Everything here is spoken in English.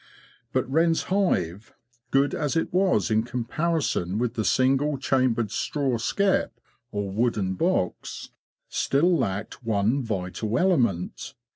But Wren's hive, good as it was in comparison with the single chambered straw skep or wooden box, still lacked one vital element.